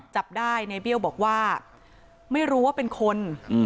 จับได้ในเบี้ยวบอกว่าไม่รู้ว่าเป็นคน